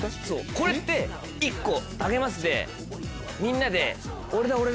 そうこれって「１個あげます」でみんなで俺だ！